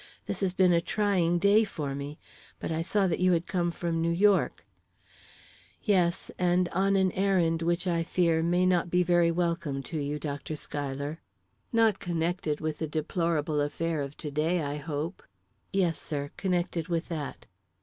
This has been a trying day for me. But I saw that you had come from New York." "Yes, and on an errand which, I fear, may not be very welcome to you, Dr. Schuyler." "Not connected with the deplorable affair of to day, I hope?" "Yes, sir; connected with that."